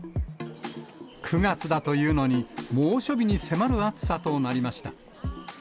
９月だというのに、猛暑日に迫る暑さとなりました。